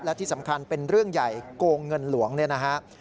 และที่สำคัญเป็นเรื่องใหญ่โกงเงินหลวงเนี่ยนะฮะ